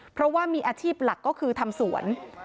เพราะว่ามีอาชีพหลักก็คือทำสวน